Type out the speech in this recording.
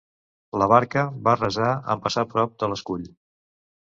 La barca va rasar en passar prop de l'escull.